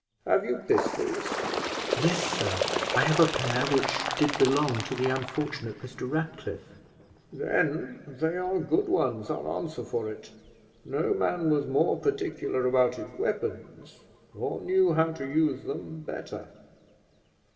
Have you pistols?" "Yes, sir; I have a pair which did belong to the unfortunate Mr. Ratcliffe." "Then they are good ones, I'll answer for it; no man was more particular about his weapons, or knew how to use them better.